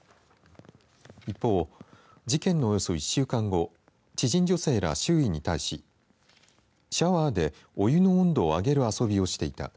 一方、事件のおよそ１週間後知人女性ら周囲に対しシャワーで、お湯の温度を上げる遊びをしていた。